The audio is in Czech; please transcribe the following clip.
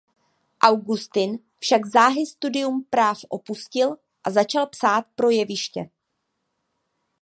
Augustin však záhy studium práv opustil a začal psát pro jeviště.